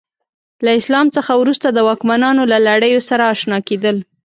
له اسلام څخه وروسته د واکمنانو له لړیو سره اشنا کېدل.